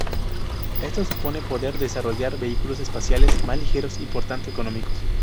Esto supone poder desarrollar vehículos espaciales más ligeros y, por tanto, económicos.